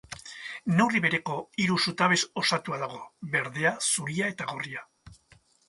Neurri bereko hiru zutabez osatuta dago: berdea, zuria eta gorria.